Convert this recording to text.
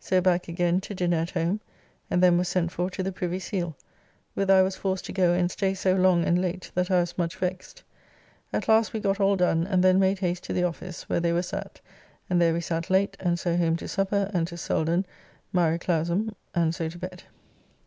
So back again to dinner at home, and then was sent for to the Privy Seal, whither I was forced to go and stay so long and late that I was much vexed. At last we got all done, and then made haste to the office, where they were sat, and there we sat late, and so home to supper and to Selden, "Mare Clausum," and so to bed.